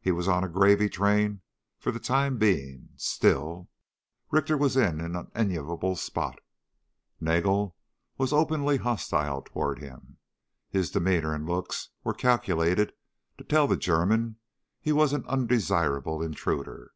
He was on a gravy train for the time being. Still, Richter was in an unenviable spot. Nagel was openly hostile toward him. His demeanor and looks were calculated to tell the German he was an undesirable intruder.